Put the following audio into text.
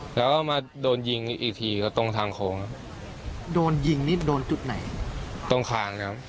แล้วก็มาโดนยิงอีกทีก็ตรงทางโค้งครับโดนยิงนี่โดนจุดไหนตรงคางครับ